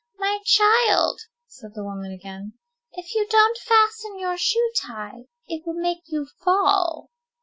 "My child," said the woman again, "if you don't fasten your shoe tie, it will make you fall."